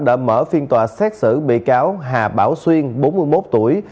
đã mở phiên tòa xét xử bị cáo hà bảo xuyên bốn mươi một tuổi